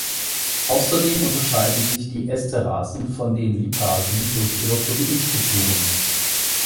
Außerdem unterscheiden sich die Esterasen von den Lipasen durch ihre Proteinstrukturen.